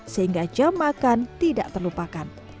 sehingga jam makan tidak terlupakan